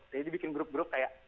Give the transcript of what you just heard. jadi dibikin grup grup kayak